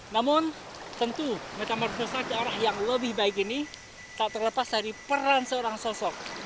namun tentu metamorfosa kearah yang lebih baik ini tak terlepas dari peran seorang sosok